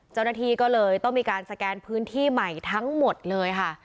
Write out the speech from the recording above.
เจ้าหน้าที่ก็เลยต้องมีการสแกนพื้นที่ใหม่ทั้งหมดเลยค่ะ